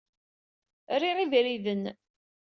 Riɣ ibriden.